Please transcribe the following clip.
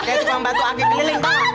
kayak cuman batu aki beliling tau gak